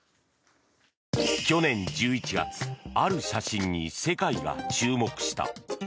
去年１１月ある写真に世界が注目した。